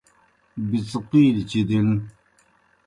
بِڅقِیلِیْ چِدِن